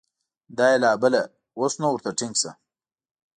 دا یې لا بله ، اوس نو ورته ټینګ شه !